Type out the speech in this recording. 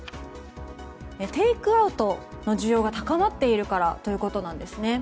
テイクアウトの需要が高まっているからということです。